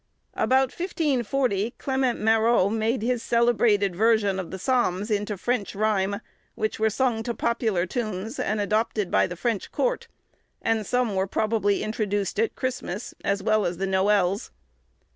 About 1540, Clement Marot made his celebrated version of the psalms into French rhyme, which were sung to popular tunes, and adopted by the French court; and some were probably introduced at Christmas, as well as the noëls.